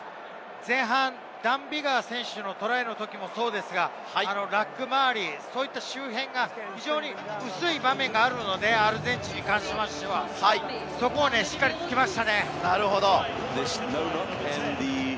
前半のダン・ビガー選手のトライのときもそうですが、ラック周りが薄い場面があるので、アルゼンチンに関しては、そこをしっかり突きましたね。